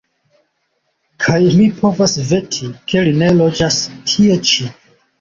Kaj mi povas veti, ke li ne loĝas tie ĉi.